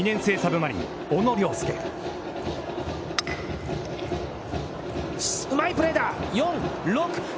うまいプレーだ。